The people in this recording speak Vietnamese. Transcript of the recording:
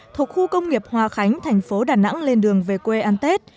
thuộc khu công nghiệp hòa khánh thành phố đà nẵng lên đường về quê ăn tết